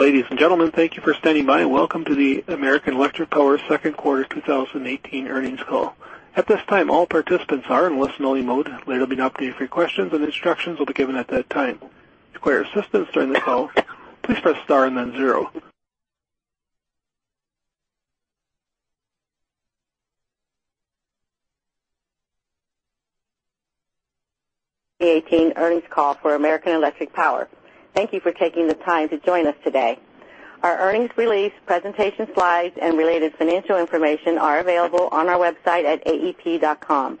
Ladies and gentlemen, thank you for standing by and welcome to the American Electric Power second quarter 2018 earnings call. At this time, all participants are in listen-only mode. Later, there'll be an opportunity for questions and instructions will be given at that time. To acquire assistance during the call, please press star and then zero. 2018 earnings call for American Electric Power. Thank you for taking the time to join us today. Our earnings release, presentation slides, and related financial information are available on our website at aep.com.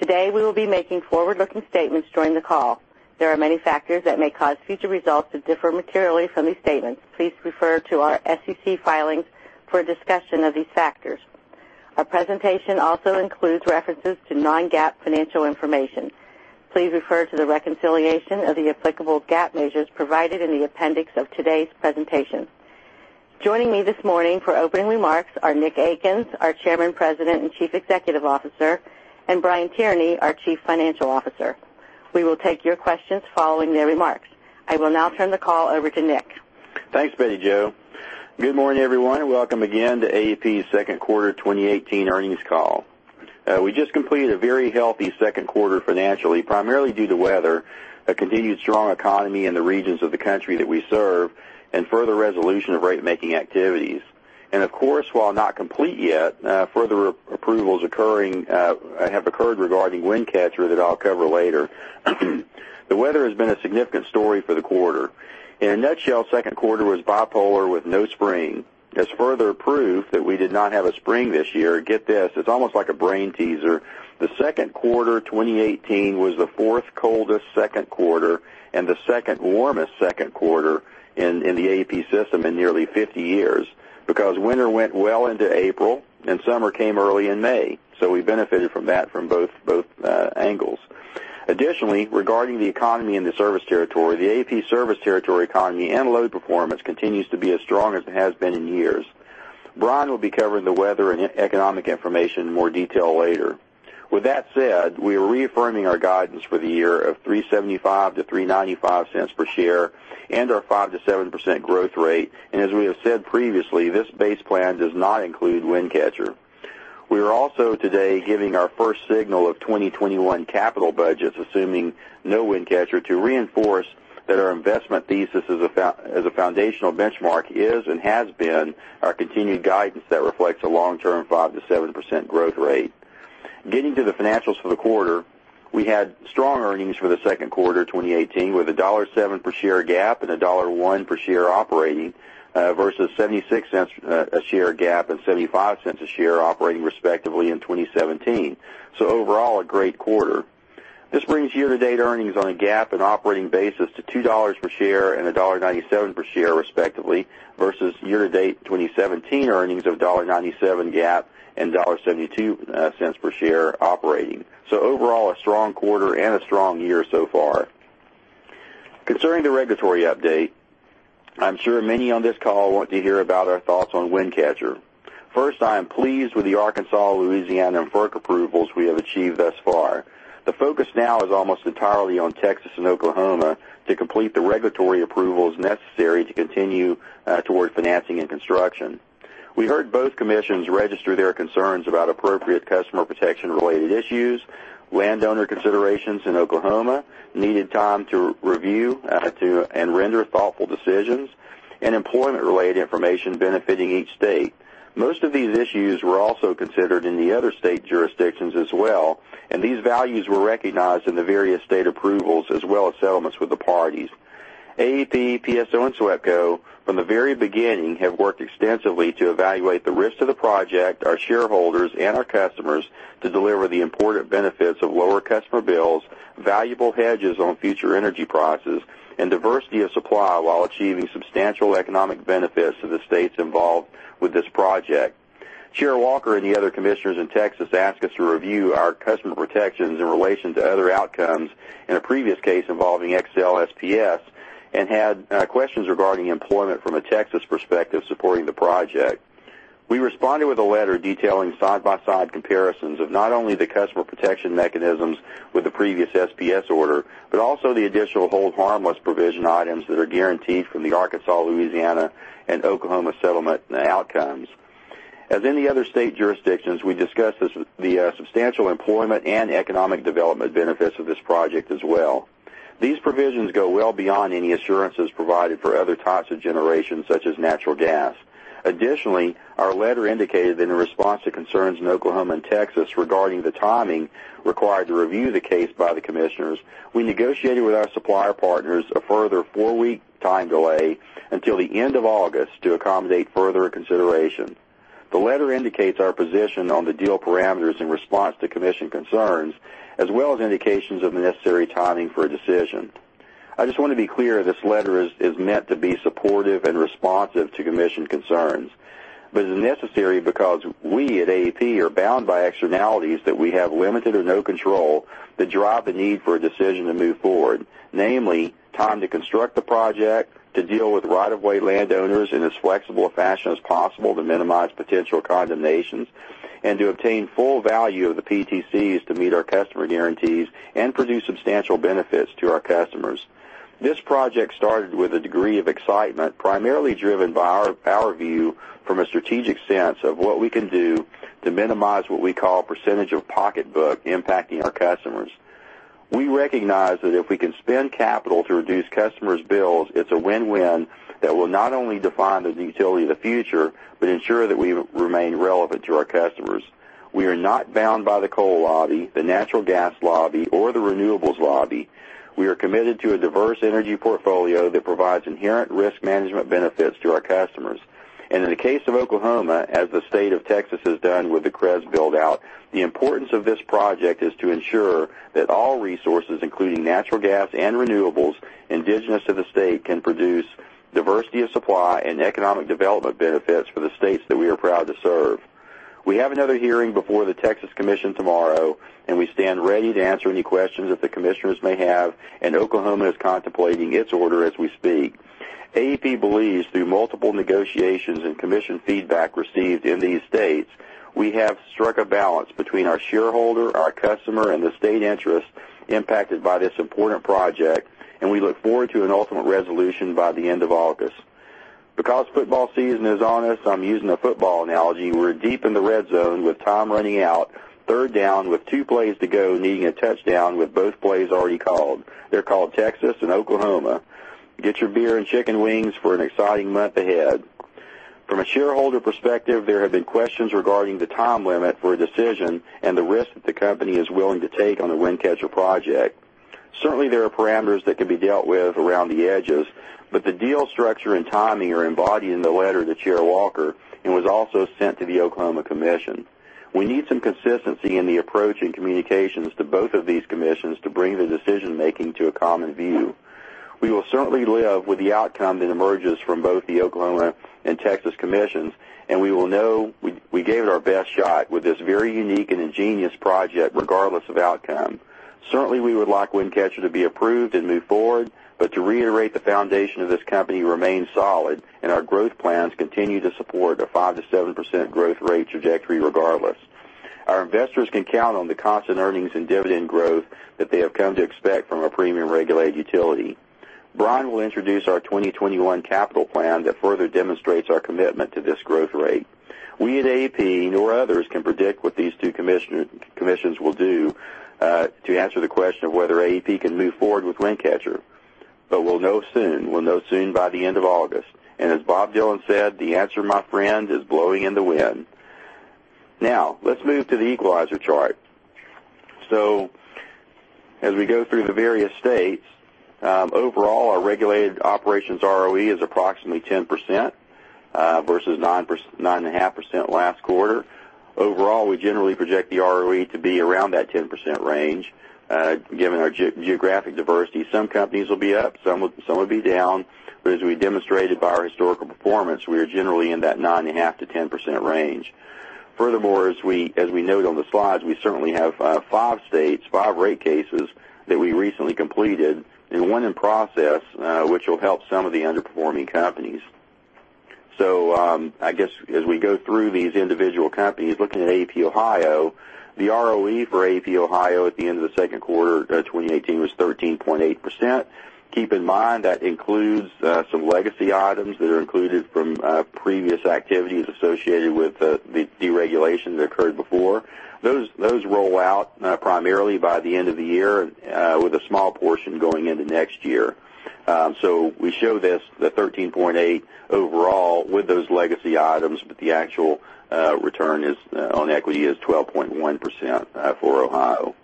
Today, we will be making forward-looking statements during the call. There are many factors that may cause future results to differ materially from these statements. Please refer to our SEC filings for a discussion of these factors. Our presentation also includes references to non-GAAP financial information. Please refer to the reconciliation of the applicable GAAP measures provided in the appendix of today's presentation. Joining me this morning for opening remarks are Nick Akins, our Chairman, President, and Chief Executive Officer, and Brian Tierney, our Chief Financial Officer. We will take your questions following their remarks. I will now turn the call over to Nick. Thanks, Bette Jo. Good morning, everyone, and welcome again to AEP's second quarter 2018 earnings call. We just completed a very healthy second quarter financially, primarily due to weather, a continued strong economy in the regions of the country that we serve, and further resolution of rate-making activities. Of course, while not complete yet, further approvals have occurred regarding Wind Catcher that I'll cover later. The weather has been a significant story for the quarter. In a nutshell, second quarter was bipolar with no spring. As further proof that we did not have a spring this year, get this, it's almost like a brain teaser. The second quarter 2018 was the fourth coldest second quarter and the second warmest second quarter in the AEP system in nearly 50 years because winter went well into April and summer came early in May. We benefited from that from both angles. Additionally, regarding the economy in the service territory, the AEP service territory economy and load performance continues to be as strong as it has been in years. Brian will be covering the weather and economic information in more detail later. With that said, we are reaffirming our guidance for the year of $3.75-$3.95 per share and our 5%-7% growth rate. As we have said previously, this base plan does not include Wind Catcher. We are also today giving our first signal of 2021 capital budgets, assuming no Wind Catcher, to reinforce that our investment thesis as a foundational benchmark is and has been our continued guidance that reflects a long-term 5%-7% growth rate. Getting to the financials for the quarter, we had strong earnings for the second quarter 2018 with $1.07 per share GAAP and $1.01 per share operating versus $0.76 per share GAAP and $0.75 per share operating respectively in 2017. Overall, a great quarter. This brings year-to-date earnings on a GAAP and operating basis to $2 per share and $1.97 per share respectively versus year-to-date 2017 earnings of $1.97 GAAP and $1.72 per share operating. Overall, a strong quarter and a strong year so far. Concerning the regulatory update, I'm sure many on this call want to hear about our thoughts on Wind Catcher. First, I am pleased with the Arkansas, Louisiana, and FERC approvals we have achieved thus far. The focus now is almost entirely on Texas and Oklahoma to complete the regulatory approvals necessary to continue toward financing and construction. We heard both commissions register their concerns about appropriate customer protection-related issues, landowner considerations in Oklahoma, needed time to review and render thoughtful decisions, and employment-related information benefiting each state. Most of these issues were also considered in the other state jurisdictions as well, and these values were recognized in the various state approvals as well as settlements with the parties. AEP, PSO, and SWEPCO, from the very beginning, have worked extensively to evaluate the risks of the project, our shareholders, and our customers to deliver the important benefits of lower customer bills, valuable hedges on future energy prices, and diversity of supply while achieving substantial economic benefits to the states involved with this project. Chair Walker and the other commissioners in Texas asked us to review our customer protections in relation to other outcomes in a previous case involving Xcel SPS and had questions regarding employment from a Texas perspective supporting the project. We responded with a letter detailing side-by-side comparisons of not only the customer protection mechanisms with the previous SPS order but also the additional hold harmless provision items that are guaranteed from the Arkansas, Louisiana, and Oklahoma settlement outcomes. As in the other state jurisdictions, we discussed the substantial employment and economic development benefits of this project as well. These provisions go well beyond any assurances provided for other types of generations, such as natural gas. Additionally, our letter indicated that in response to concerns in Oklahoma and Texas regarding the timing required to review the case by the commissioners, we negotiated with our supplier partners a further four-week time delay until the end of August to accommodate further consideration. The letter indicates our position on the deal parameters in response to commission concerns, as well as indications of the necessary timing for a decision. I just want to be clear, this letter is meant to be supportive and responsive to commission concerns. It is necessary because we at AEP are bound by externalities that we have limited or no control that drive the need for a decision to move forward, namely time to construct the project, to deal with right-of-way landowners in as flexible a fashion as possible to minimize potential condemnations and to obtain full value of the PTCs to meet our customer guarantees and produce substantial benefits to our customers. This project started with a degree of excitement, primarily driven by our view from a strategic sense of what we can do to minimize what we call percentage of pocketbook impacting our customers. We recognize that if we can spend capital to reduce customers' bills, it's a win-win that will not only define the utility of the future but ensure that we remain relevant to our customers. We are not bound by the coal lobby, the natural gas lobby, or the renewables lobby. We are committed to a diverse energy portfolio that provides inherent risk management benefits to our customers. In the case of Oklahoma, as the state of Texas has done with the CREZ build-out, the importance of this project is to ensure that all resources, including natural gas and renewables indigenous to the state, can produce diversity of supply and economic development benefits for the states that we are proud to serve. We have another hearing before the Texas Commission tomorrow, and we stand ready to answer any questions that the Commissioners may have, and Oklahoma is contemplating its order as we speak. AEP believes through multiple negotiations and Commission feedback received in these states, we have struck a balance between our shareholder, our customer, and the state interests impacted by this important project, and we look forward to an ultimate resolution by the end of August. Football season is on us, I'm using a football analogy. We're deep in the red zone with time running out, third down with two plays to go, needing a touchdown with both plays already called. They're called Texas and Oklahoma. Get your beer and chicken wings for an exciting month ahead. From a shareholder perspective, there have been questions regarding the time limit for a decision and the risk that the company is willing to take on the Wind Catcher project. Certainly, there are parameters that can be dealt with around the edges, the deal structure and timing are embodied in the letter to Chair Walker and was also sent to the Oklahoma Commission. We need some consistency in the approach and communications to both of these Commissions to bring the decision-making to a common view. We will certainly live with the outcome that emerges from both the Oklahoma and Texas Commissions, and we will know we gave it our best shot with this very unique and ingenious project, regardless of outcome. Certainly, we would like Wind Catcher to be approved and move forward, to reiterate, the foundation of this company remains solid, and our growth plans continue to support a 5%-7% growth rate trajectory regardless. Our investors can count on the constant earnings and dividend growth that they have come to expect from a premium-regulated utility. Brian will introduce our 2021 capital plan that further demonstrates our commitment to this growth rate. We at AEP, nor others, can predict what these two commissions will do to answer the question of whether AEP can move forward with Wind Catcher, but we'll know soon. We'll know soon by the end of August. As Bob Dylan said, "The answer, my friend, is blowing in the wind." Let's move to the equalizer chart. As we go through the various states, overall, our regulated operations ROE is approximately 10% versus 9.5% last quarter. Overall, we generally project the ROE to be around that 10% range, given our geographic diversity. Some companies will be up, some will be down. But as we demonstrated by our historical performance, we are generally in that 9.5%-10% range. As we note on the slides, we certainly have five states, five rate cases that we recently completed and one in process, which will help some of the underperforming companies. I guess as we go through these individual companies, looking at AEP Ohio, the ROE for AEP Ohio at the end of the second quarter of 2018 was 13.8%. Keep in mind that includes some legacy items that are included from previous activities associated with the deregulation that occurred before. Those roll out primarily by the end of the year, with a small portion going into next year. We show this, the 13.8 overall with those legacy items, but the actual return on equity is 12.1% for Ohio.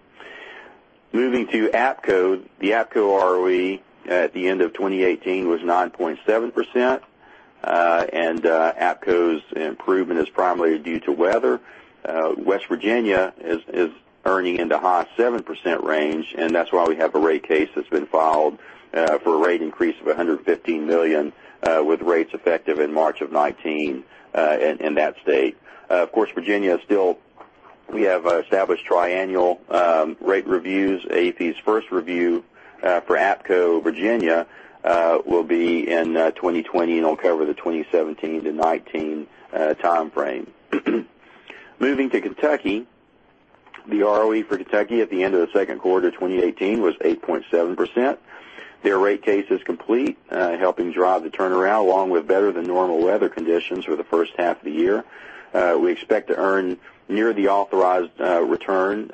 Moving to APCO. The APCO ROE at the end of 2018 was 9.7%. APCO's improvement is primarily due to weather. West Virginia is earning in the high 7% range. That's why we have a rate case that's been filed for a rate increase of $115 million with rates effective in March of 2019 in that state. We have established triennial rate reviews. AEP's first review for APCO Virginia will be in 2020, and it'll cover the 2017-2019 timeframe. Moving to Kentucky, the ROE for Kentucky at the end of the second quarter 2018 was 8.7%. Their rate case is complete, helping drive the turnaround, along with better-than-normal weather conditions for the first half of the year. We expect to earn near the authorized return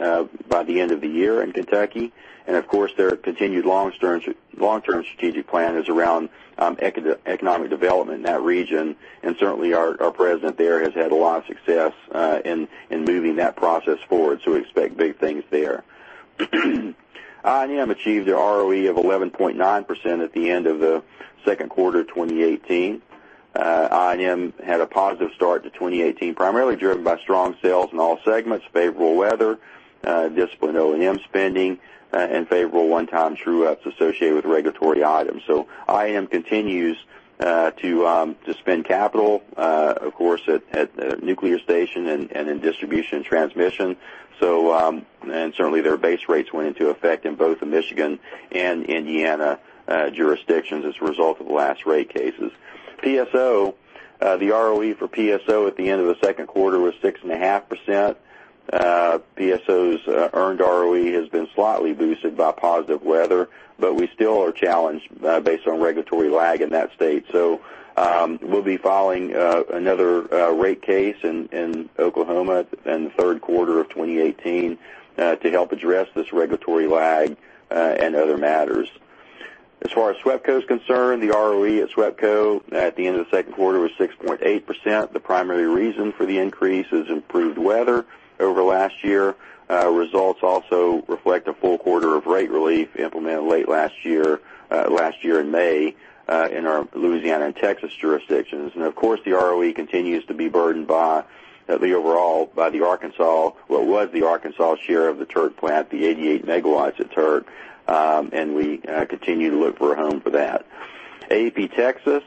by the end of the year in Kentucky. Of course, their continued long-term strategic plan is around economic development in that region. Certainly, our president there has had a lot of success in moving that process forward, we expect big things there. I&M achieved an ROE of 11.9% at the end of the second quarter 2018. I&M had a positive start to 2018, primarily driven by strong sales in all segments, favorable weather, disciplined O&M spending, and favorable one-time true-ups associated with regulatory items. I&M continues to spend capital, of course, at a nuclear station and in distribution and transmission. Certainly, their base rates went into effect in both the Michigan and Indiana jurisdictions as a result of the last rate cases. PSO. The ROE for PSO at the end of the second quarter was 6.5%. PSO's earned ROE has been slightly boosted by positive weather, we still are challenged based on regulatory lag in that state. We'll be filing another rate case in Oklahoma in the third quarter of 2018 to help address this regulatory lag and other matters. As far as SWEPCO is concerned, the ROE at SWEPCO at the end of the second quarter was 6.8%. The primary reason for the increase is improved weather over last year. Results also reflect a full quarter of rate relief implemented late last year in May in our Louisiana and Texas jurisdictions. Of course, the ROE continues to be burdened by the Arkansas, what was the Arkansas share of the Turk plant, the 88 megawatts at Turk, and we continue to look for a home for that. AEP Texas,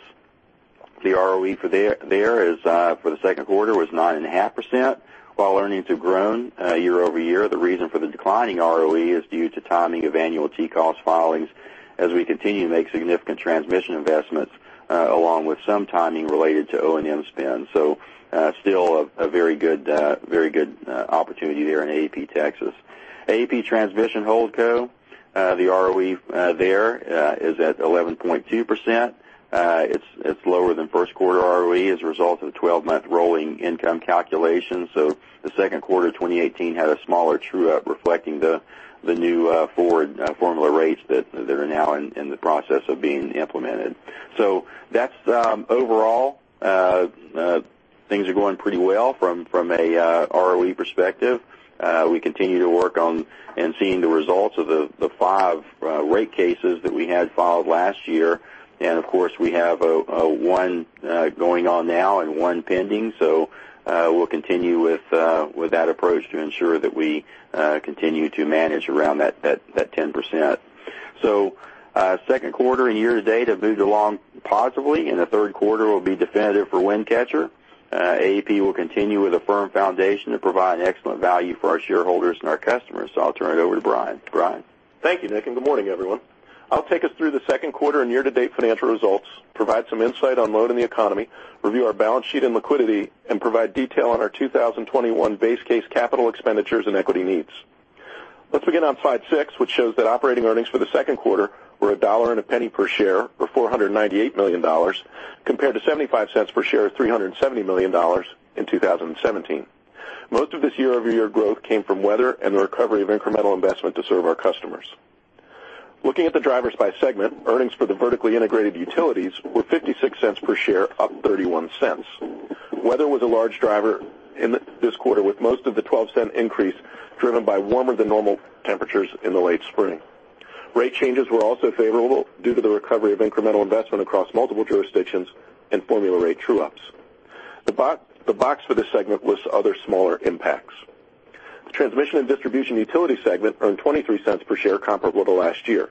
the ROE for there for the second quarter was 9.5%. While earnings have grown year-over-year, the reason for the declining ROE is due to timing of annual TCOS filings as we continue to make significant transmission investments, along with some timing related to O&M spend. Still a very good opportunity there in AEP Texas. AEP Transmission Holdco, the ROE there is at 11.2%. It's lower than first quarter ROE as a result of the 12-month rolling income calculation. The second quarter 2018 had a smaller true-up reflecting the new forward formula rates that are now in the process of being implemented. That's overall. Things are going pretty well from a ROE perspective. We continue to work on and seeing the results of the five rate cases that we had filed last year. Of course, we have one going on now and one pending. We'll continue with that approach to ensure that we continue to manage around that 10%. Second quarter and year-to-date have moved along positively, and the third quarter will be definitive for Wind Catcher. AEP will continue with a firm foundation to provide an excellent value for our shareholders and our customers. I'll turn it over to Brian. Brian? Thank you, Nick. Good morning, everyone. I'll take us through the second quarter and year-to-date financial results, provide some insight on load in the economy, review our balance sheet and liquidity, and provide detail on our 2021 base case capital expenditures and equity needs. Let's begin on slide six, which shows that operating earnings for the second quarter were $1.01 per share, or $498 million, compared to $0.75 per share, or $370 million in 2017. Most of this year-over-year growth came from weather and the recovery of incremental investment to serve our customers. Looking at the drivers by segment, earnings for the vertically integrated utilities were $0.56 per share, up $0.31. Weather was a large driver in this quarter, with most of the $0.12 increase driven by warmer than normal temperatures in the late spring. Rate changes were also favorable due to the recovery of incremental investment across multiple jurisdictions and formula rate true-ups. The box for this segment lists other smaller impacts. The transmission and distribution utility segment earned $0.23 per share comparable to last year.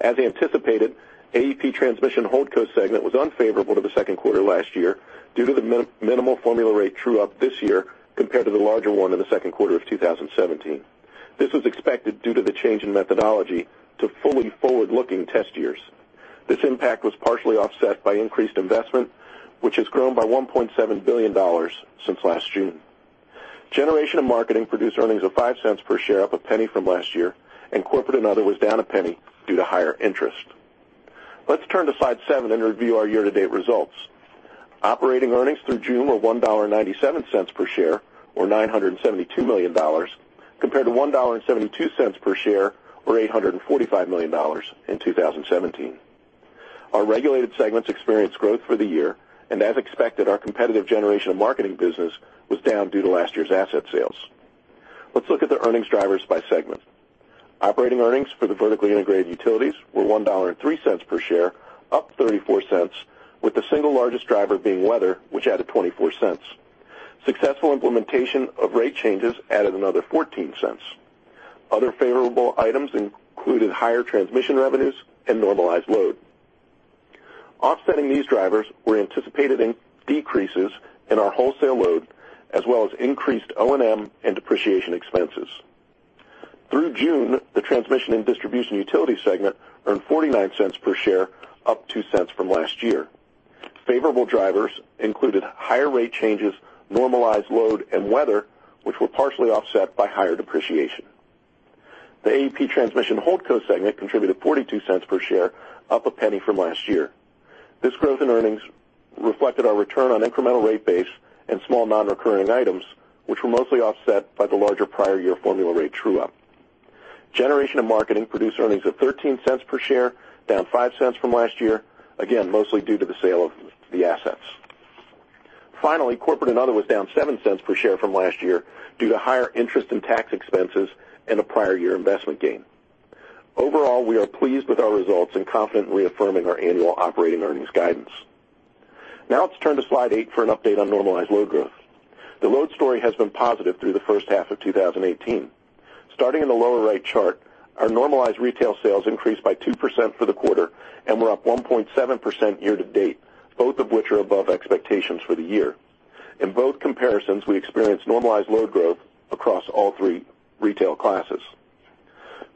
As anticipated, AEP Transmission Holdco segment was unfavorable to the second quarter last year due to the minimal formula rate true-up this year compared to the larger one in the second quarter of 2017. This was expected due to the change in methodology to fully forward-looking test years. This impact was partially offset by increased investment, which has grown by $1.7 billion since last June. Generation and marketing produced earnings of $0.05 per share, up $0.01 from last year, and corporate and other was down $0.01 due to higher interest. Let's turn to slide seven and review our year-to-date results. Operating earnings through June were $1.97 per share, or $972 million, compared to $1.72 per share, or $845 million in 2017. Our regulated segments experienced growth for the year. As expected, our competitive generation and marketing business was down due to last year's asset sales. Let's look at the earnings drivers by segment. Operating earnings for the vertically integrated utilities were $1.03 per share, up $0.34, with the single largest driver being weather, which added $0.24. Successful implementation of rate changes added another $0.14. Other favorable items included higher transmission revenues and normalized load. Offsetting these drivers were anticipated decreases in our wholesale load, as well as increased O&M and depreciation expenses. Through June, the transmission and distribution utility segment earned $0.49 per share, up $0.02 from last year. Favorable drivers included higher rate changes, normalized load and weather, which were partially offset by higher depreciation. The AEP Transmission Holdco segment contributed $0.42 per share, up $0.01 from last year. This growth in earnings reflected our return on incremental rate base and small non-recurring items, which were mostly offset by the larger prior year formula rate true-up. Generation and marketing produced earnings of $0.13 per share, down $0.05 from last year, again, mostly due to the sale of the assets. Finally, corporate and other was down $0.07 per share from last year due to higher interest and tax expenses and a prior year investment gain. Overall, we are pleased with our results and confident in reaffirming our annual operating earnings guidance. Now let's turn to slide eight for an update on normalized load growth. The load story has been positive through the first half of 2018. Starting in the lower right chart, our normalized retail sales increased by 2% for the quarter, and we're up 1.7% year-to-date, both of which are above expectations for the year. In both comparisons, we experienced normalized load growth across all three retail classes.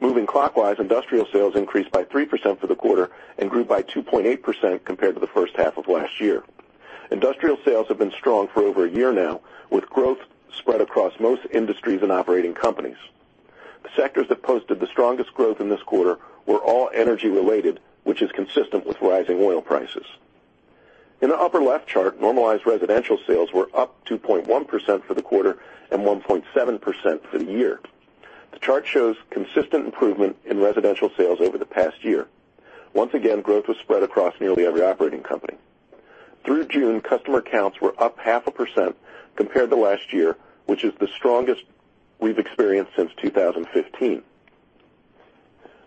Moving clockwise, industrial sales increased by 3% for the quarter and grew by 2.8% compared to the first half of last year. Industrial sales have been strong for over a year now, with growth spread across most industries and operating companies. The sectors that posted the strongest growth in this quarter were all energy-related, which is consistent with rising oil prices. In the upper-left chart, normalized residential sales were up 2.1% for the quarter and 1.7% for the year. The chart shows consistent improvement in residential sales over the past year. Once again, growth was spread across nearly every operating company. Through June, customer counts were up half a percent compared to last year, which is the strongest we've experienced since 2015.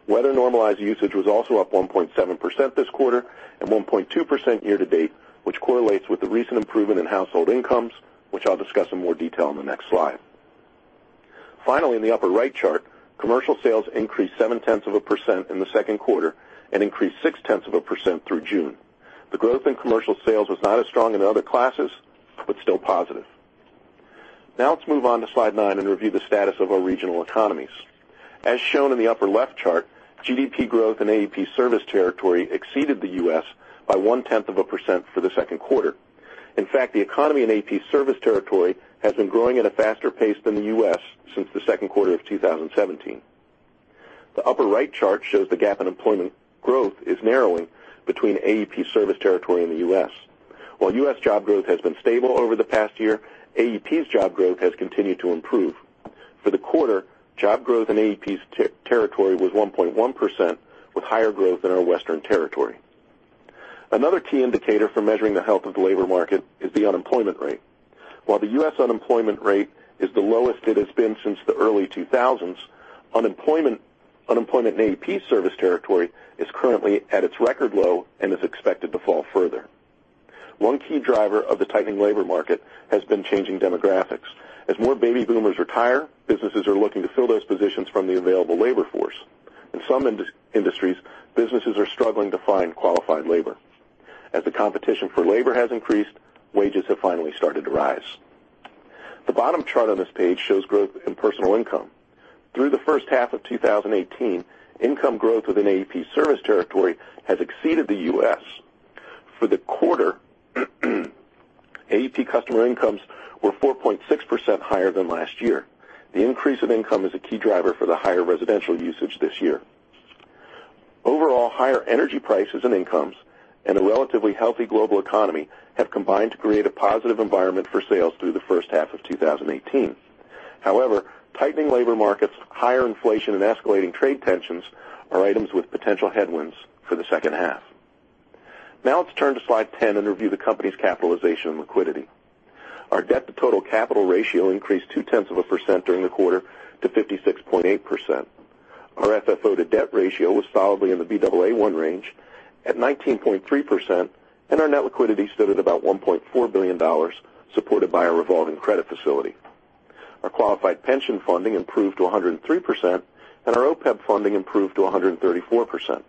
Weather-normalized usage was also up 1.7% this quarter and 1.2% year-to-date, which correlates with the recent improvement in household incomes, which I'll discuss in more detail in the next slide. Finally, in the upper-right chart, commercial sales increased seven-tenths of a percent in the second quarter and increased six-tenths of a percent through June. The growth in commercial sales was not as strong in other classes, but still positive. Let's move on to slide nine and review the status of our regional economies. As shown in the upper-left chart, GDP growth in AEP's service territory exceeded the U.S. by one-tenth of a percent for the second quarter. In fact, the economy in AEP's service territory has been growing at a faster pace than the U.S. since the second quarter of 2017. The upper-right chart shows the gap in employment growth is narrowing between AEP's service territory and the U.S. While U.S. job growth has been stable over the past year, AEP's job growth has continued to improve. For the quarter, job growth in AEP's territory was 1.1%, with higher growth in our western territory. Another key indicator for measuring the health of the labor market is the unemployment rate. While the U.S. unemployment rate is the lowest it has been since the early 2000s, unemployment in AEP's service territory is currently at its record low and is expected to fall further. One key driver of the tightening labor market has been changing demographics. As more baby boomers retire, businesses are looking to fill those positions from the available labor force. In some industries, businesses are struggling to find qualified labor. As the competition for labor has increased, wages have finally started to rise. The bottom chart on this page shows growth in personal income. Through the first half of 2018, income growth within AEP's service territory has exceeded the U.S. For the quarter, AEP customer incomes were 4.6% higher than last year. The increase of income is a key driver for the higher residential usage this year. Overall, higher energy prices and incomes and a relatively healthy global economy have combined to create a positive environment for sales through the first half of 2018. However, tightening labor markets, higher inflation, and escalating trade tensions are items with potential headwinds for the second half. Let's turn to slide 10 and review the company's capitalization and liquidity. Our debt-to-total capital ratio increased two-tenths of a percent during the quarter to 56.8%. Our FFO to debt ratio was solidly in the Baa1 range at 19.3%, and our net liquidity stood at about $1.4 billion, supported by our revolving credit facility. Our qualified pension funding improved to 103%, and our OPEB funding improved to 134%.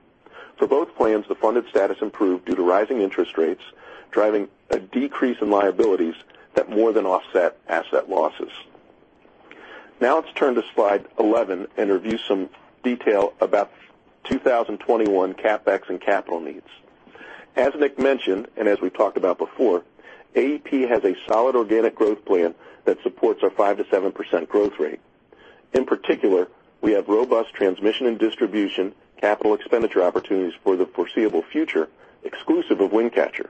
For both plans, the funded status improved due to rising interest rates, driving a decrease in liabilities that more than offset asset losses. Let's turn to slide 11 and review some detail about 2021 CapEx and capital needs. As Nick mentioned, and as we've talked about before, AEP has a solid organic growth plan that supports our 5%-7% growth rate. In particular, we have robust transmission and distribution capital expenditure opportunities for the foreseeable future, exclusive of Wind Catcher.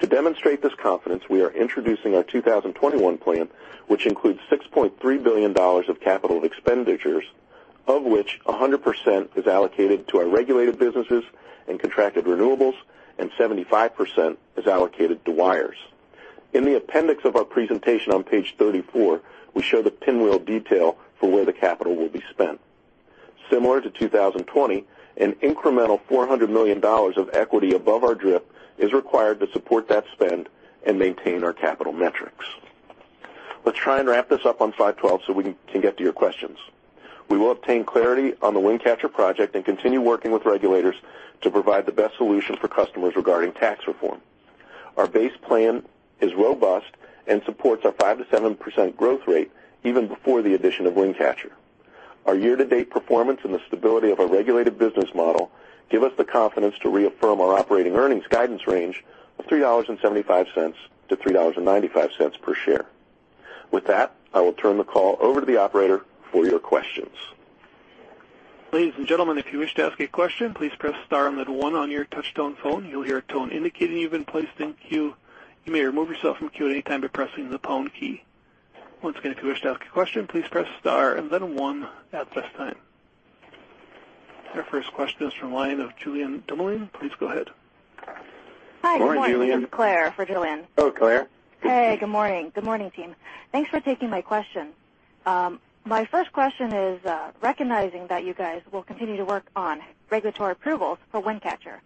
To demonstrate this confidence, we are introducing our 2021 plan, which includes $6.3 billion of capital expenditures, of which 100% is allocated to our regulated businesses and contracted renewables and 75% is allocated to wires. In the appendix of our presentation on page 34, we show the pinwheel detail for where the capital will be spent. Similar to 2020, an incremental $400 million of equity above our DRIP is required to support that spend and maintain our capital metrics. Let's try and wrap this up on slide 12 so we can get to your questions. We will obtain clarity on the Wind Catcher project and continue working with regulators to provide the best solution for customers regarding tax reform. Our base plan is robust and supports our 5%-7% growth rate even before the addition of Wind Catcher. Our year-to-date performance and the stability of our regulated business model give us the confidence to reaffirm our operating earnings guidance range of $3.75-$3.95 per share. With that, I will turn the call over to the operator for your questions. Ladies and gentlemen, if you wish to ask a question, please press star and then one on your touch-tone phone. You'll hear a tone indicating you've been placed in queue. You may remove yourself from queue at any time by pressing the pound key. Once again, if you wish to ask a question, please press star and then one at this time. Our first question is from the line of Julien Dumoulin-Smith. Please go ahead. Morning, Julien. Hi, good morning. This is Claire for Julien. Hello, Claire. Hey, good morning. Good morning, team. Thanks for taking my question. My first question is, recognizing that you guys will continue to work on regulatory approvals for Wind Catcher,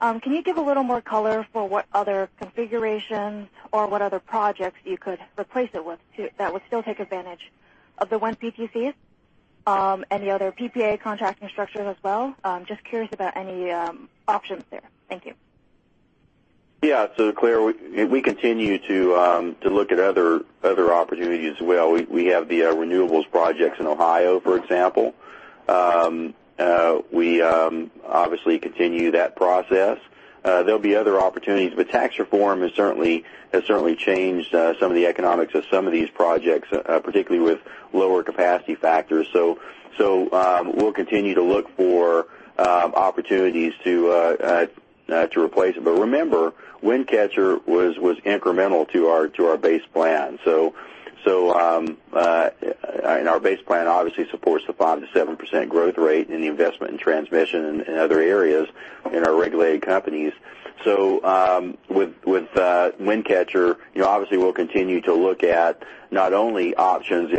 can you give a little more color for what other configurations or what other projects you could replace it with that would still take advantage of the wind PTCs? Any other PPA contracting structures as well? Just curious about any options there. Thank you. Claire, we continue to look at other opportunities as well. We have the renewables projects in Ohio, for example. We obviously continue that process. There will be other opportunities, but tax reform has certainly changed some of the economics of some of these projects, particularly with lower capacity factors. We will continue to look for opportunities to replace it. Remember, Wind Catcher was incremental to our base plan. Our base plan obviously supports the 5%-7% growth rate in the investment in transmission in other areas in our regulated companies. With Wind Catcher, obviously we will continue to look at not only options.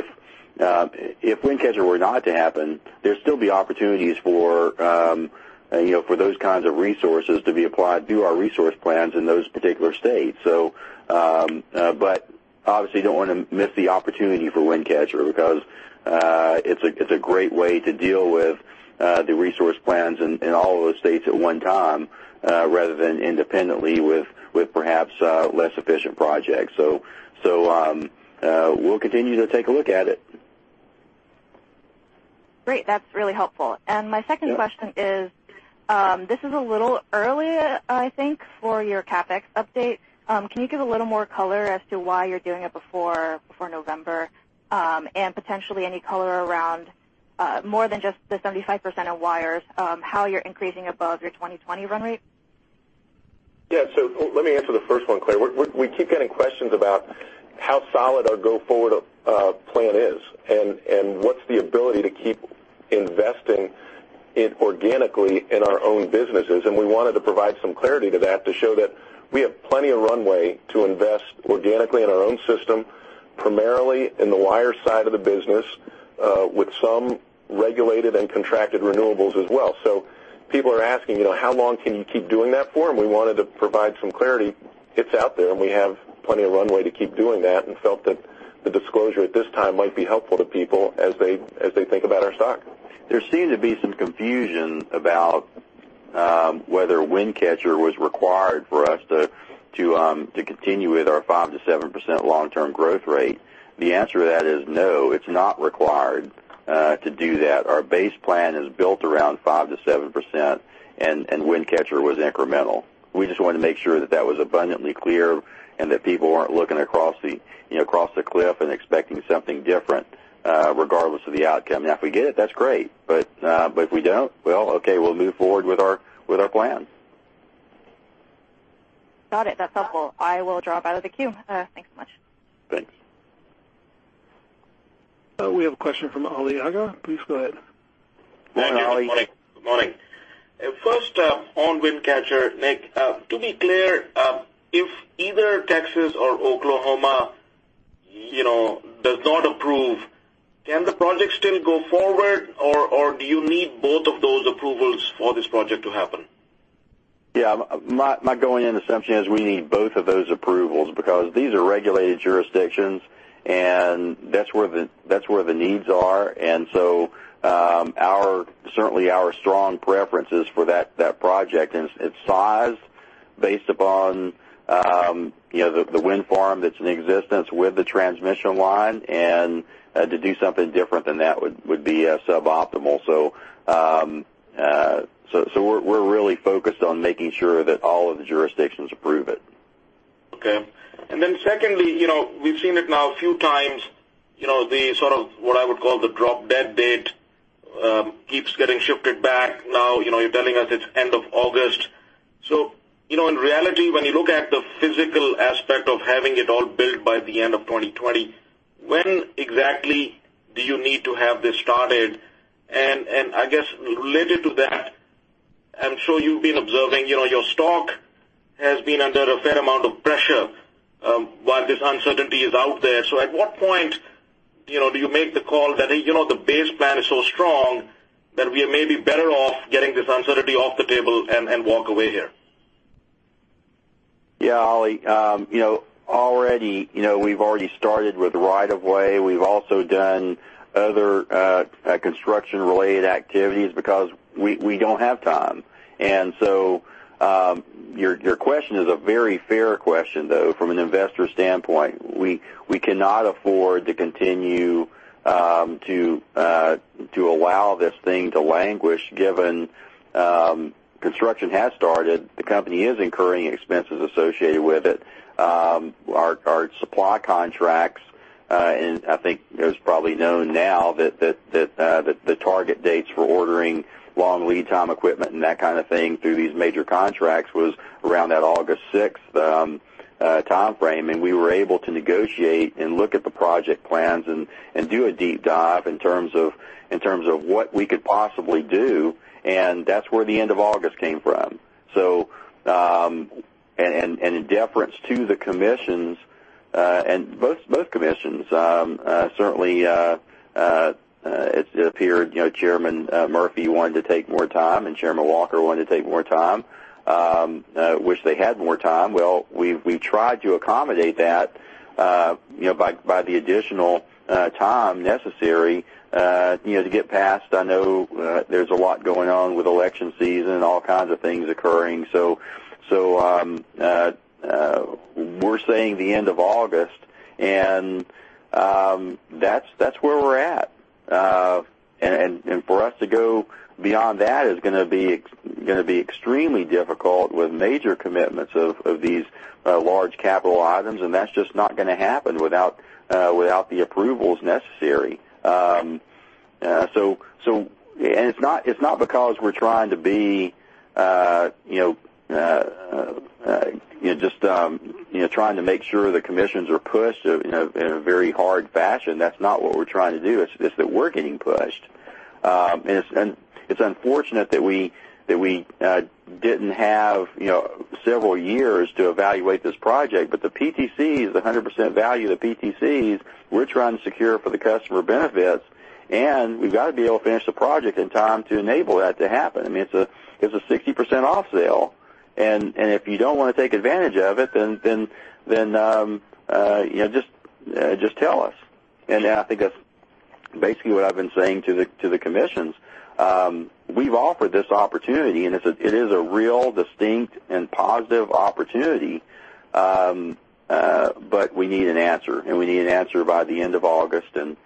If Wind Catcher were not to happen, there would still be opportunities for those kinds of resources to be applied to our resource plans in those particular states. Obviously, you don't want to miss the opportunity for Wind Catcher because it's a great way to deal with the resource plans in all of those states at one time, rather than independently with perhaps less efficient projects. We'll continue to take a look at it. Great. That's really helpful. My second question is, this is a little early, I think, for your CapEx update. Can you give a little more color as to why you're doing it before November, and potentially any color around more than just the 75% of wires, how you're increasing above your 2020 run rate? Let me answer the first one, Claire. We keep getting questions about how solid our go-forward plan is, and what's the ability to keep investing it organically in our own businesses. We wanted to provide some clarity to that to show that we have plenty of runway to invest organically in our own system, primarily in the wire side of the business, with some regulated and contracted renewables as well. People are asking, how long can you keep doing that for? We wanted to provide some clarity. It's out there, and we have plenty of runway to keep doing that and felt that the disclosure at this time might be helpful to people as they think about our stock. There seemed to be some confusion about whether Wind Catcher was required for us to continue with our 5%-7% long-term growth rate. The answer to that is no, it's not required to do that. Our base plan is built around 5%-7%, and Wind Catcher was incremental. We just wanted to make sure that that was abundantly clear and that people weren't looking across the cliff and expecting something different, regardless of the outcome. If we get it, that's great. If we don't, well, okay, we'll move forward with our plan. Got it. That's helpful. I will drop out of the queue. Thanks so much. Thanks. We have a question from Ali Agha. Please go ahead. Hi, Ali. Morning. Morning. First, on Wind Catcher, Nick, to be clear, if either Texas or Oklahoma does not approve, can the project still go forward, or do you need both of those approvals for this project to happen? My going in assumption is we need both of those approvals because these are regulated jurisdictions, and that's where the needs are. Certainly our strong preference is for that project and its size based upon the wind farm that's in existence with the transmission line. To do something different than that would be suboptimal. We're really focused on making sure that all of the jurisdictions approve it. Okay. Secondly, we've seen it now a few times, the sort of what I would call the drop-dead date keeps getting shifted back. You're telling us it's end of August. In reality, when you look at the physical aspect of having it all built by the end of 2020, when exactly do you need to have this started? I guess related to that, I'm sure you've been observing, your stock has been under a fair amount of pressure while this uncertainty is out there. At what point do you make the call that the base plan is so strong that we may be better off getting this uncertainty off the table and walk away here? Yeah, Ali. Already we've already started with right of way. We've also done other construction-related activities because we don't have time. Your question is a very fair question, though, from an investor standpoint. We cannot afford to continue to allow this thing to languish given construction has started. The company is incurring expenses associated with it. Our supply contracts, I think it's probably known now that the target dates for ordering long lead time equipment and that kind of thing through these major contracts was around that August 6th timeframe. We were able to negotiate and look at the project plans and do a deep dive in terms of what we could possibly do, and that's where the end of August came from. In deference to the commissions, both commissions. Certainly, it appeared Chairman Murphy wanted to take more time, Chairman Walker wanted to take more time. Wish they had more time. Well, we've tried to accommodate that by the additional time necessary to get past. I know there's a lot going on with election season, all kinds of things occurring. We're saying the end of August, that's where we're at. For us to go beyond that is going to be extremely difficult with major commitments of these large capital items, that's just not going to happen without the approvals necessary. It's not because we're trying to make sure the commissions are pushed in a very hard fashion. That's not what we're trying to do. It's that we're getting pushed. It's unfortunate that we didn't have several years to evaluate this project. The PTCs, the 100% value of the PTCs, we're trying to secure for the customer benefits. We've got to be able to finish the project in time to enable that to happen. I mean, it's a 60% off sale. If you don't want to take advantage of it, then just tell us. I think that's basically what I've been saying to the commissions. We've offered this opportunity, and it is a real distinct and positive opportunity. We need an answer, and we need an answer by the end of August. Certainly,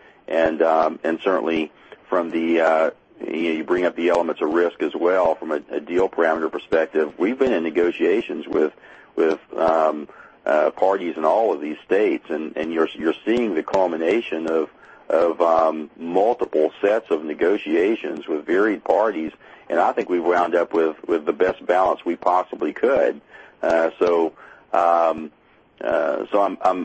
you bring up the elements of risk as well from a deal parameter perspective. We've been in negotiations with parties in all of these states. You're seeing the culmination of multiple sets of negotiations with varied parties, and I think we've wound up with the best balance we possibly could. I'm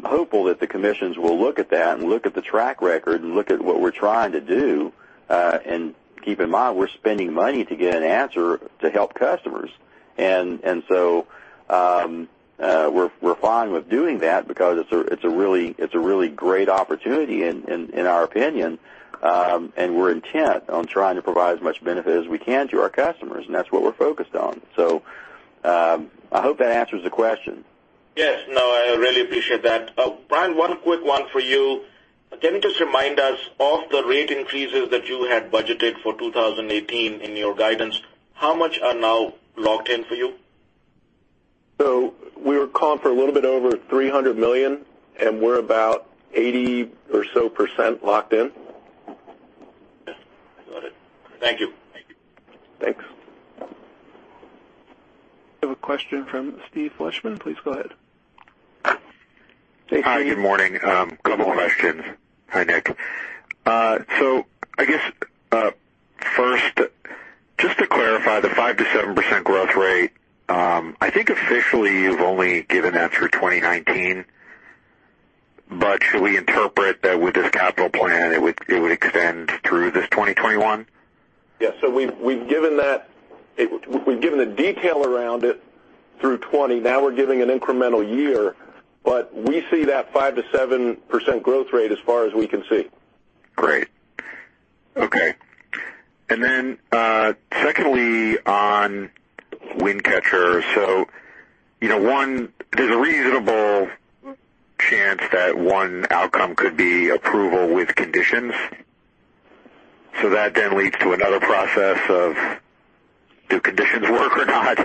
hopeful that the commissions will look at that and look at the track record and look at what we're trying to do. Keep in mind, we're spending money to get an answer to help customers. We're fine with doing that because it's a really great opportunity in our opinion. We're intent on trying to provide as much benefit as we can to our customers, and that's what we're focused on. I hope that answers the question. Yes. No, I really appreciate that. Brian, one quick one for you. Can you just remind us of the rate increases that you had budgeted for 2018 in your guidance? How much are now locked in for you? We were calling for a little bit over $300 million. We're about 80% or so locked in. Yes. Got it. Thank you. Thanks. We have a question from Steven Fleishman. Please go ahead. Hi. Good morning. Good morning. Couple questions. Hi, Nick. I guess first, just to clarify the 5%-7% growth rate, I think officially you've only given that through 2019. Should we interpret that with this capital plan, it would extend through this 2021? Yes. We've given the detail around it through 2020. Now we're giving an incremental year, but we see that 5%-7% growth rate as far as we can see. Great. Okay. Then secondly, on Wind Catcher. One, there's a reasonable chance that one outcome could be approval with conditions. That then leads to another process of do conditions work or not?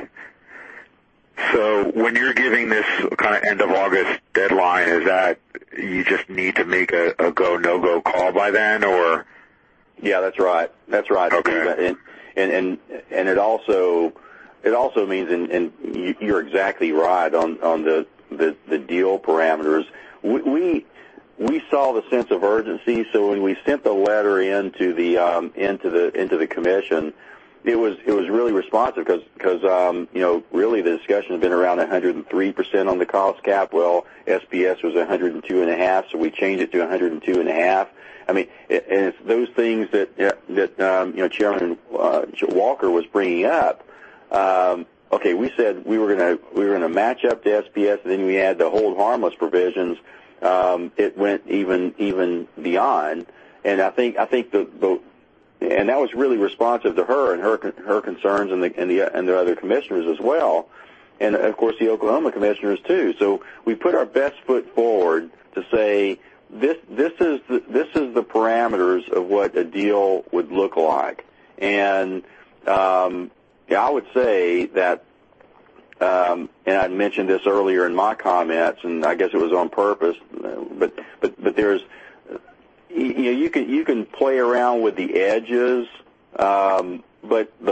When you're giving this end of August deadline, is that you just need to make a go, no-go call by then or? Yeah, that's right. Okay. It also means, and you are exactly right on the deal parameters. We saw the sense of urgency. When we sent the letter into the commission, it was really responsive because really the discussion had been around 103% on the cost cap. SPS was 102.5. We changed it to 102.5. It is those things that Chairman Walker was bringing up. Okay, we said we were going to match up to SPS, and then we add the hold harmless provisions. It went even beyond. That was really responsive to her and her concerns and the other commissioners as well, and of course, the Oklahoma commissioners, too. We put our best foot forward to say this is the parameters of what a deal would look like. I would say that. I mentioned this earlier in my comments, and I guess it was on purpose. You can play around with the edges. The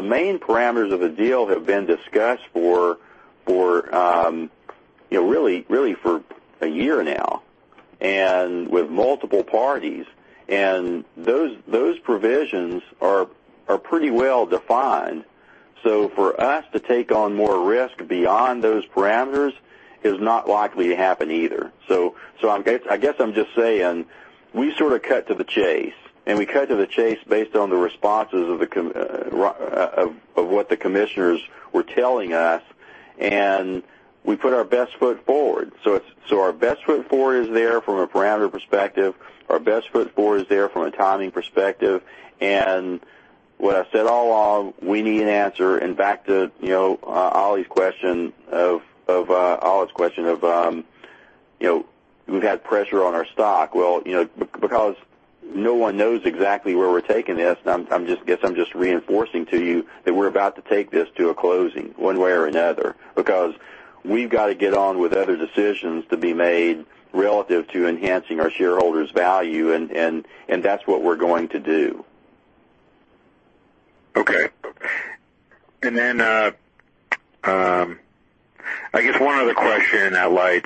main parameters of the deal have been discussed really for a year now and with multiple parties. Those provisions are pretty well defined. For us to take on more risk beyond those parameters is not likely to happen either. I guess I am just saying we sort of cut to the chase. We cut to the chase based on the responses of what the commissioners were telling us, and we put our best foot forward. Our best foot forward is there from a parameter perspective. Our best foot forward is there from a timing perspective. What I've said all along, we need an answer. Back to Ali's question of we've had pressure on our stock. Because no one knows exactly where we're taking this. I guess I'm just reinforcing to you that we're about to take this to a closing, one way or another. Because we've got to get on with other decisions to be made relative to enhancing our shareholders' value. That's what we're going to do. Okay. Then, I guess one other question in that light.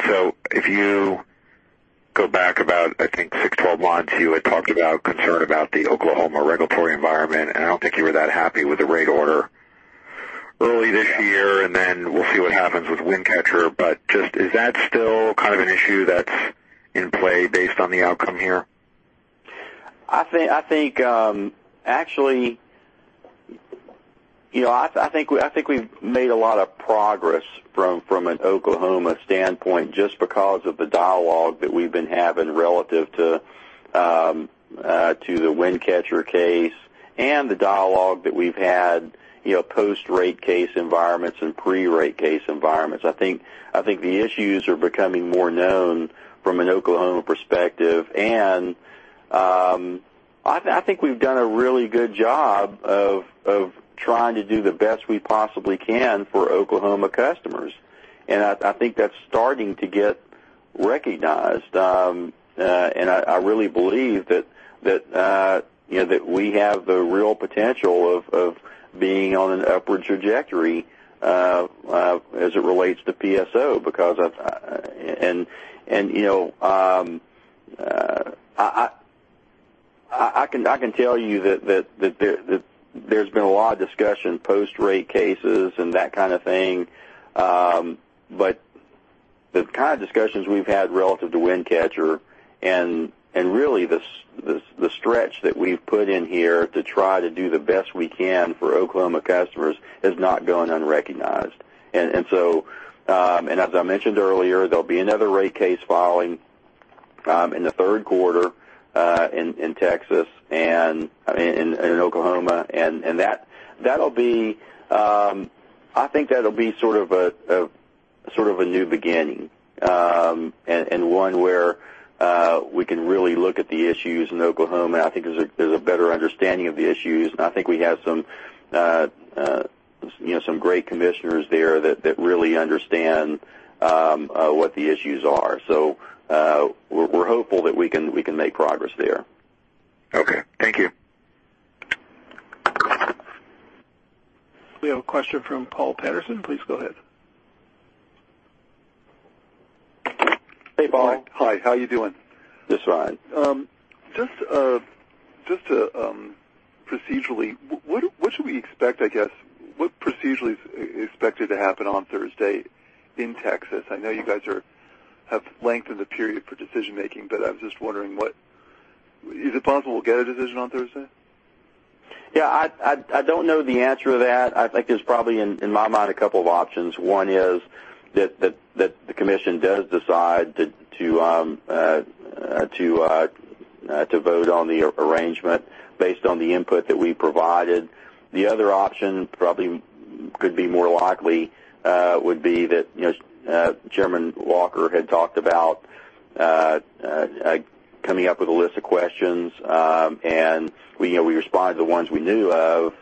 If you go back about, I think 6, 12 months, you had talked about concern about the Oklahoma regulatory environment. I don't think you were that happy with the rate order early this year. Then we'll see what happens with Wind Catcher. Is that still an issue that's in play based on the outcome here? I think we've made a lot of progress from an Oklahoma standpoint just because of the dialogue that we've been having relative to the Wind Catcher case and the dialogue that we've had post rate case environments and pre-rate case environments. I think the issues are becoming more known from an Oklahoma perspective, and I think we've done a really good job of trying to do the best we possibly can for Oklahoma customers. I think that's starting to get recognized. I really believe that we have the real potential of being on an upward trajectory as it relates to PSO. I can tell you that there's been a lot of discussion post rate cases and that kind of thing. The kind of discussions we've had relative to Wind Catcher, and really the stretch that we've put in here to try to do the best we can for Oklahoma customers has not gone unrecognized. As I mentioned earlier, there'll be another rate case filing in the third quarter in Oklahoma. I think that'll be a new beginning, and one where we can really look at the issues in Oklahoma. I think there's a better understanding of the issues, and I think we have some great commissioners there that really understand what the issues are. We're hopeful that we can make progress there. Okay. Thank you. We have a question from Paul Patterson. Please go ahead. Hey, Bob. Hi. Hi, how are you doing? Just fine. Just procedurally, what should we expect, I guess, what procedurally is expected to happen on Thursday in Texas? I know you guys have lengthened the period for decision-making, but I was just wondering, is it possible we'll get a decision on Thursday? Yeah, I don't know the answer to that. I think there's probably, in my mind, a couple of options. One is that the commission does decide to vote on the arrangement based on the input that we provided. The other option probably could be more likely would be that Chairman Walker had talked about coming up with a list of questions, and we responded to the ones we knew of.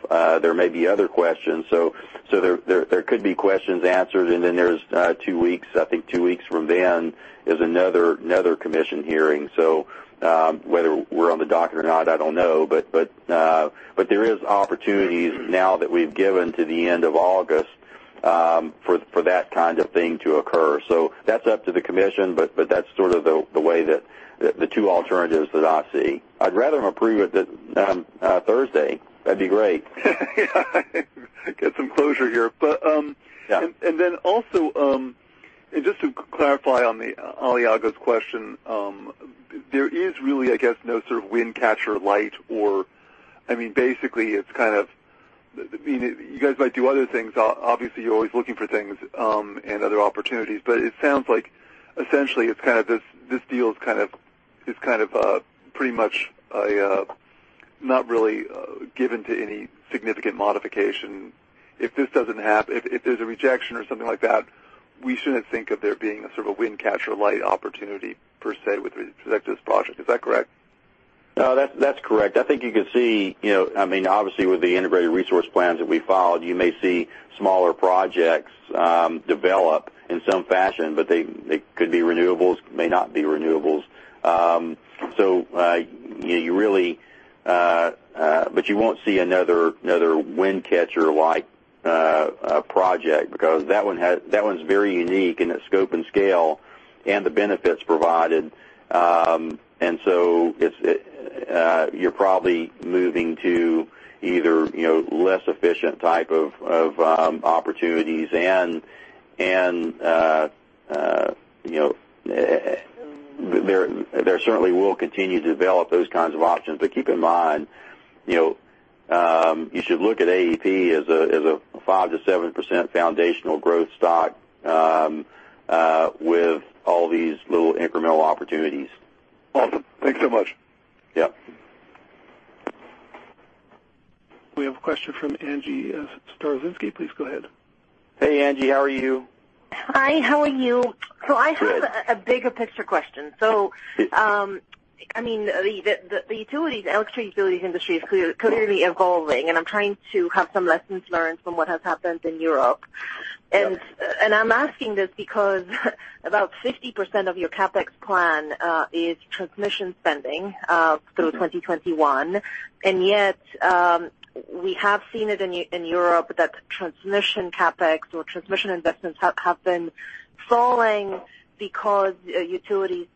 There may be other questions. There could be questions answered. Then there's two weeks, I think two weeks from then, there's another commission hearing. Whether we're on the docket or not, I don't know. There is opportunities now that we've given to the end of August for that kind of thing to occur. That's up to the commission, but that's the two alternatives that I see. I'd rather them approve it Thursday. That'd be great. Yeah. Get some closure here. Yeah. Also, just to clarify on Ali Agha's question, there is really no Wind Catcher Lite. You guys might do other things. Obviously, you're always looking for things and other opportunities. It sounds like essentially this deal is pretty much not really given to any significant modification. If there's a rejection or something like that, we shouldn't think of there being a Wind Catcher Lite opportunity per se with respect to this project. Is that correct? No, that's correct. I think you can see, obviously, with the integrated resource plans that we filed, you may see smaller projects develop in some fashion, but they could be renewables, may not be renewables. You won't see another Wind Catcher-like project because that one's very unique in its scope and scale and the benefits provided. You're probably moving to either less efficient type of opportunities. They certainly will continue to develop those kinds of options. Keep in mind, you should look at AEP as a 5%-7% foundational growth stock with all these little incremental opportunities. Awesome. Thanks so much. Yeah. We have a question from Angie Storozynski. Please go ahead. Hey, Angie. How are you? Hi, how are you? Good. I have a bigger picture question. The electricity utilities industry is clearly evolving, and I am trying to have some lessons learned from what has happened in Europe. Yeah. I am asking this because about 50% of your CapEx plan is transmission spending through 2021, yet we have seen it in Europe that transmission CapEx or transmission investments have been falling because utilities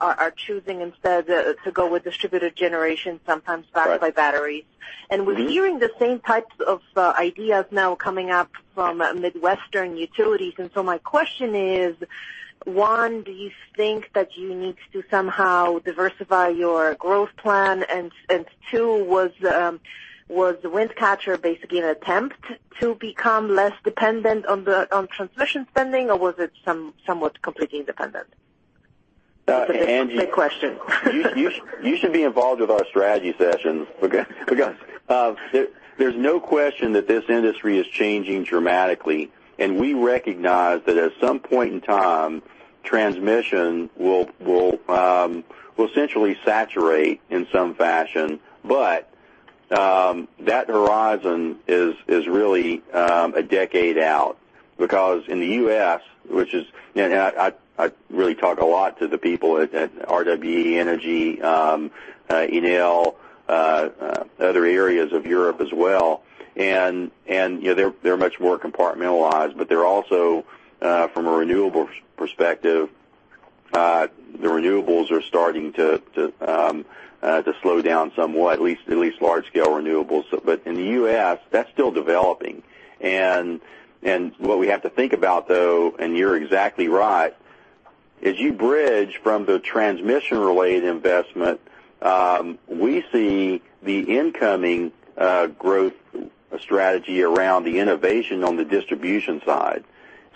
are choosing instead to go with distributed generation, sometimes backed by batteries. Right. We are hearing the same types of ideas now coming up from Midwestern utilities. My question is, one, do you think that you need to somehow diversify your growth plan? And two, was the Wind Catcher basically an attempt to become less dependent on transmission spending, or was it somewhat completely independent? Angie- It's a big question. You should be involved with our strategy sessions because there's no question that this industry is changing dramatically, we recognize that at some point in time, transmission will essentially saturate in some fashion. That horizon is really a decade out because in the U.S., I really talk a lot to the people at RWE, Enel, other areas of Europe as well, and they're much more compartmentalized, but they're also, from a renewables perspective, the renewables are starting to slow down somewhat, at least large-scale renewables. In the U.S., that's still developing. What we have to think about, though, and you're exactly right, as you bridge from the transmission-related investment, we see the incoming growth strategy around the innovation on the distribution side.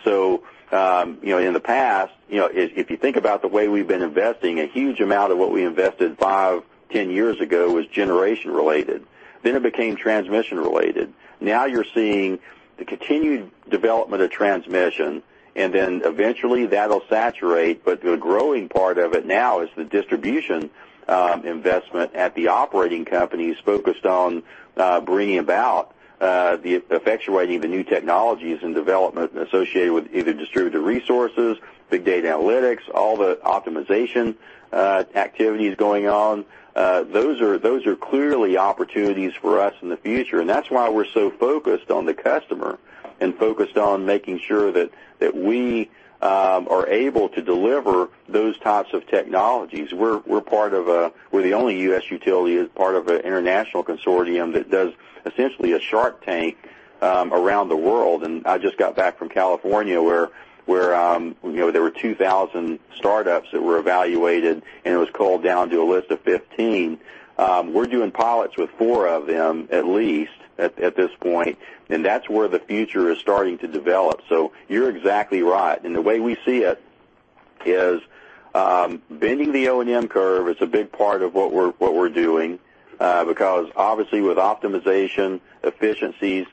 In the past, if you think about the way we've been investing, a huge amount of what we invested five, 10 years ago was generation-related. It became transmission-related. Now you're seeing the continued development of transmission, then eventually that'll saturate. The growing part of it now is the distribution investment at the operating companies focused on bringing about the effectuating the new technologies and development associated with either distributed resources, big data analytics, all the optimization activities going on. Those are clearly opportunities for us in the future. That's why we're so focused on the customer and focused on making sure that we are able to deliver those types of technologies. We're the only U.S. utility that's part of an international consortium that does essentially a shark tank around the world. I just got back from California, where there were 2,000 startups that were evaluated, and it was culled down to a list of 15. We're doing pilots with four of them, at least, at this point, that's where the future is starting to develop. You're exactly right. The way we see it is bending the O&M curve is a big part of what we're doing because obviously with optimization, efficiencies,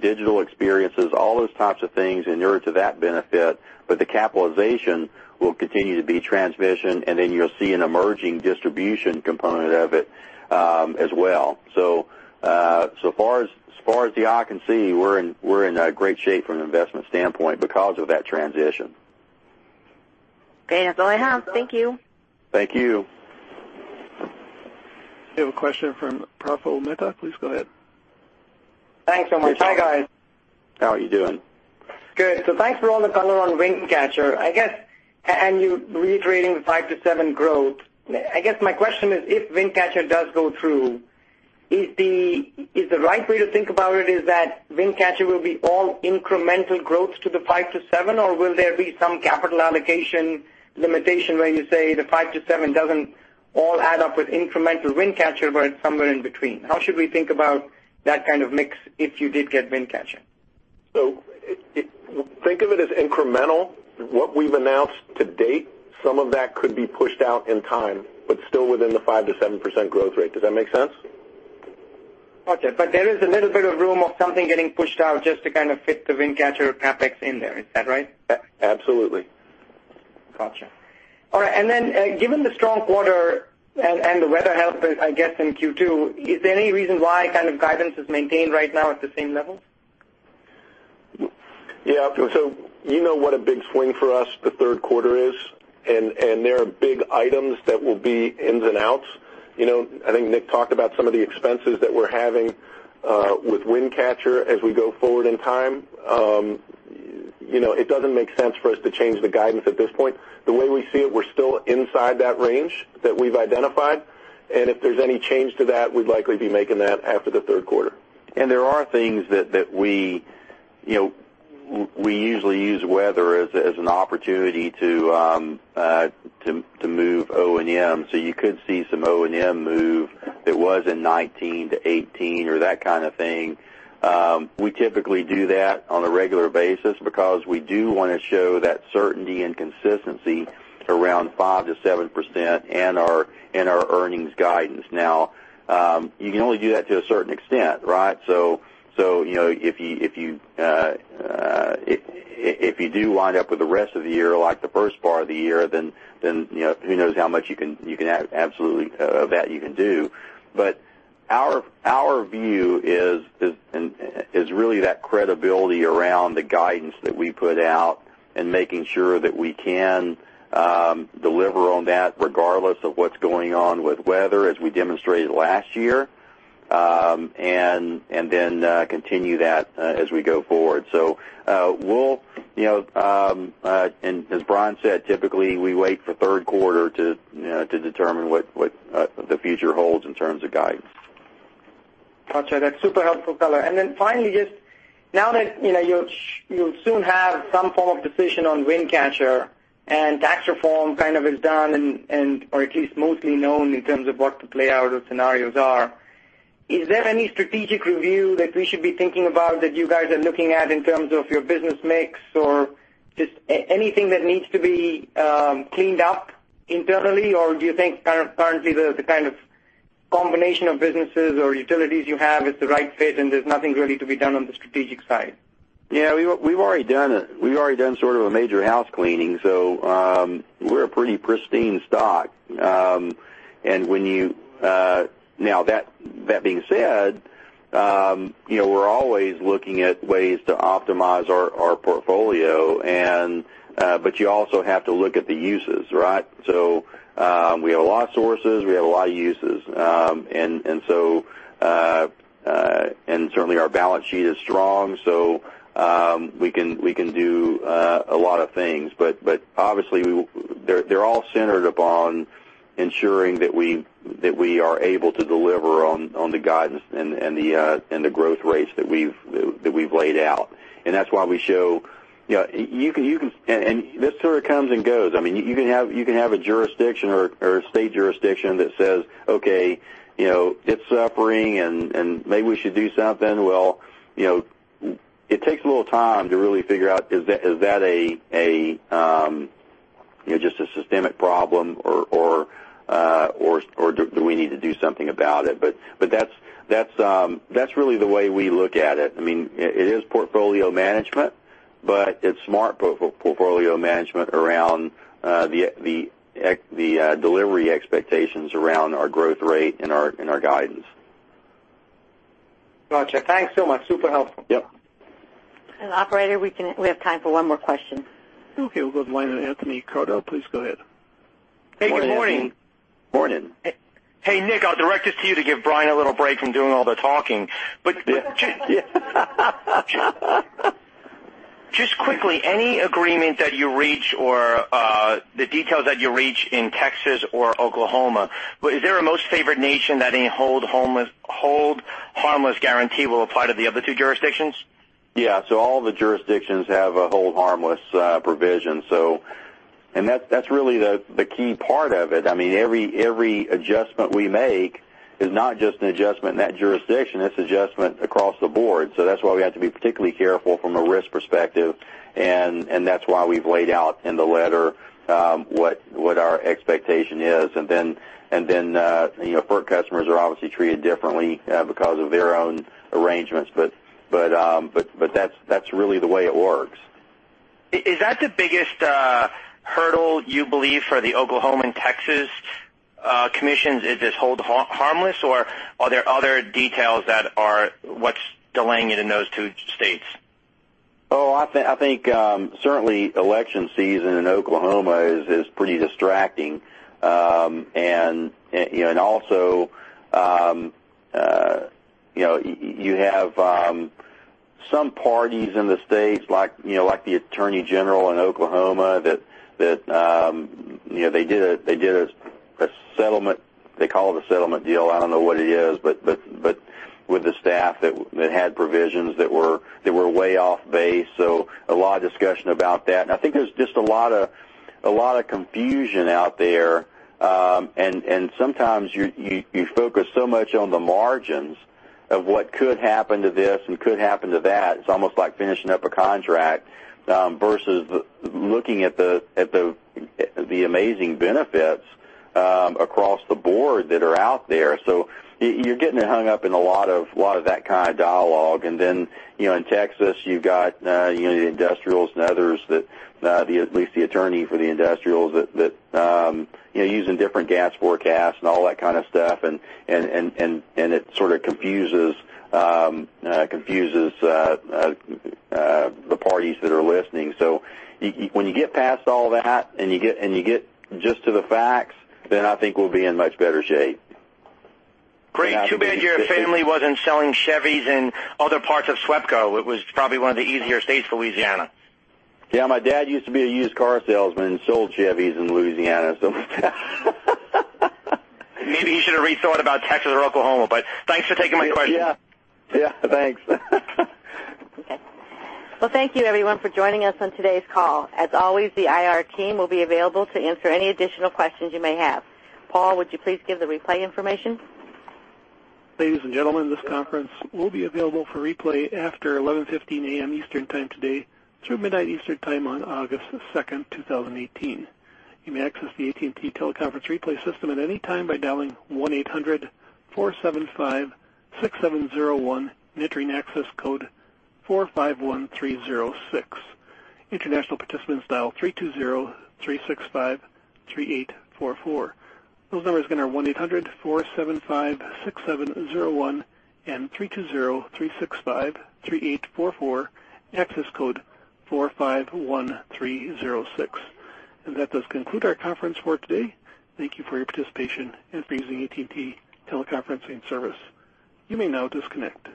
digital experiences, all those types of things inure to that benefit, the capitalization will continue to be transmission, then you'll see an emerging distribution component of it as well. Far as the eye can see, we're in great shape from an investment standpoint because of that transition. Okay. That's all I have. Thank you. Thank you. We have a question from Praful Mehta. Please go ahead. Thanks so much. Hi, guys. How are you doing? Thanks for all the color on Wind Catcher. You reiterating the 5%-7% growth. I guess my question is, if Wind Catcher does go through, is the right way to think about it is that Wind Catcher will be all incremental growth to the 5%-7% or will there be some capital allocation limitation where you say the 5%-7% doesn't all add up with incremental Wind Catcher, but it's somewhere in between? How should we think about that kind of mix if you did get Wind Catcher? Think of it as incremental. What we've announced to date, some of that could be pushed out in time, but still within the 5%-7% growth rate. Does that make sense? Gotcha. There is a little bit of room of something getting pushed out just to kind of fit the Wind Catcher CapEx in there. Is that right? Absolutely. Gotcha. All right. Given the strong quarter and the weather help, I guess, in Q2, is there any reason why guidance is maintained right now at the same level? Yeah. You know what a big swing for us the third quarter is, and there are big items that will be ins and outs. I think Nick talked about some of the expenses that we're having with Wind Catcher as we go forward in time. It doesn't make sense for us to change the guidance at this point. The way we see it, we're still inside that range that we've identified, and if there's any change to that, we'd likely be making that after the third quarter. There are things that we usually use weather as an opportunity to move O&M. You could see some O&M move It was in 2019 to 2018 or that kind of thing. We typically do that on a regular basis because we do want to show that certainty and consistency around 5%-7% in our earnings guidance. You can only do that to a certain extent, right? If you do wind up with the rest of the year like the first part of the year, who knows how much you can absolutely of that you can do. Our view is really that credibility around the guidance that we put out and making sure that we can deliver on that regardless of what's going on with weather as we demonstrated last year, continue that as we go forward. We'll, as Brian said, typically we wait for third quarter to determine what the future holds in terms of guidance. Got you. That's super helpful color. Finally, just now that you'll soon have some form of decision on Wind Catcher and tax reform kind of is done or at least mostly known in terms of what the play out or scenarios are, is there any strategic review that we should be thinking about that you guys are looking at in terms of your business mix or just anything that needs to be cleaned up internally? Or do you think currently the kind of combination of businesses or utilities you have is the right fit and there's nothing really to be done on the strategic side? Yeah. We've already done sort of a major house cleaning. We're a pretty pristine stock. That being said, we're always looking at ways to optimize our portfolio, but you also have to look at the uses, right? We have a lot of sources, we have a lot of uses. Certainly our balance sheet is strong, so we can do a lot of things. Obviously they're all centered upon ensuring that we are able to deliver on the guidance and the growth rates that we've laid out. That's why we show. This sort of comes and goes. I mean, you can have a jurisdiction or a state jurisdiction that says, "Okay, it's suffering, and maybe we should do something." It takes a little time to really figure out, is that just a systemic problem or do we need to do something about it? That's really the way we look at it. I mean, it is portfolio management, but it's smart portfolio management around the delivery expectations around our growth rate and our guidance. Got you. Thanks so much. Super helpful. Yep. Operator, we have time for one more question. Okay. We'll go to the line of Anthony Crowdell. Please go ahead. Good morning, Anthony. Morning. Hey, Nick, I'll direct this to you to give Brian a little break from doing all the talking. Just quickly, any agreement that you reach or the details that you reach in Texas or Oklahoma, is there a most favored nation that any hold harmless guarantee will apply to the other two jurisdictions? All the jurisdictions have a hold harmless provision. That's really the key part of it. I mean, every adjustment we make is not just an adjustment in that jurisdiction, it's adjustment across the board. That's why we have to be particularly careful from a risk perspective, and that's why we've laid out in the letter what our expectation is. FERC customers are obviously treated differently because of their own arrangements. That's really the way it works. Is that the biggest hurdle you believe for the Oklahoma and Texas commissions? Is this hold harmless, or are there other details that are what's delaying it in those two states? I think certainly election season in Oklahoma is pretty distracting. You have some parties in the states like the attorney general in Oklahoma that they did a settlement. They call it a settlement deal. I don't know what it is. With the staff that had provisions that were way off base. A lot of discussion about that. I think there's just a lot of confusion out there. Sometimes you focus so much on the margins of what could happen to this and could happen to that. It's almost like finishing up a contract versus looking at the amazing benefits across the board that are out there. You're getting hung up in a lot of that kind of dialogue. In Texas, you've got the industrials and others that at least the attorney for the industrials that using different gas forecasts and all that kind of stuff, and it sort of confuses the parties that are listening. When you get past all that and you get just to the facts, then I think we'll be in much better shape. Great. Too bad your family wasn't selling Chevys in other parts of SWEPCO. It was probably one of the easier states for Louisiana. Yeah. My dad used to be a used car salesman and sold Chevys in Louisiana. Maybe he should have rethought about Texas or Oklahoma. Thanks for taking my question. Yeah. Thanks. Well, thank you everyone for joining us on today's call. As always, the IR team will be available to answer any additional questions you may have. Paul, would you please give the replay information? Ladies and gentlemen, this conference will be available for replay after 11:15 A.M. Eastern Time today through midnight Eastern Time on August 2nd, 2018. You may access the AT&T teleconference replay system at any time by dialing 1-800-475-6701 and entering access code 451306. International participants dial 320-365-3844. Those numbers again are 1-800-475-6701 and 320-365-3844, access code 451306. That does conclude our conference for today. Thank you for your participation and for using AT&T teleconferencing service. You may now disconnect.